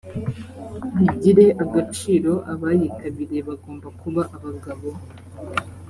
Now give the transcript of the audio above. bigire agaciro abayitabiriye bagomba kuba abagabo